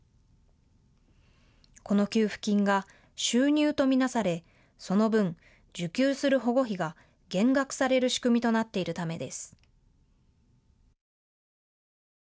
この給付金が収入と見なされその分、受給する保護費が減額される仕組みとなっているためです。